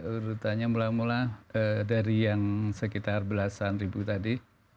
urutannya mula mula dari yang sekitar belasan ribu tadi